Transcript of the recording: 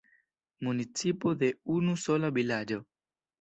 Municipo de unu sola vilaĝo.